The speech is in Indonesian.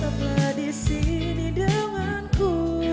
tetaplah disini denganku